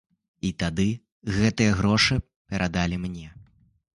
І тады гэтыя грошы перадалі мне.